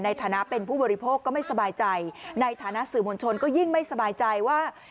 ในฐานะเป็นผู้บริโภคก็ไม่สบายใจในฐานะสื่อมวลชนก็ยิ่งไม่สบายใจว่า